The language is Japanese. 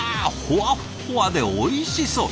ほわっほわでおいしそう！